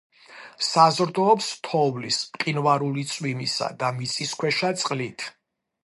საზრდოობს თოვლის, მყინვარული, წვიმისა და მიწისქვეშა წყლით.